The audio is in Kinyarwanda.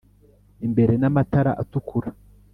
imbere n' amatara atukura